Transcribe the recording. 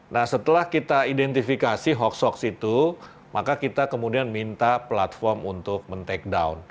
nah setelah kita identifikasi hoaks hoaks itu maka kita kemudian minta platform untuk men tag